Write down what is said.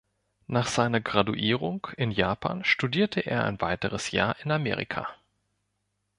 Nach seiner Graduierung in Japan studierte er ein weiteres Jahr in Amerika.